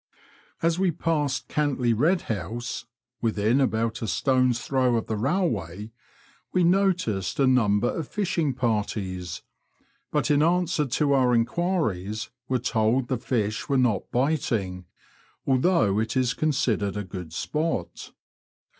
As we passed Cantley Bed House (within about a stone's throw of the railway) we noticed a number of fishing parties,. but in answer to our enquiries were told the fish were not biting, although it is considered a good spot.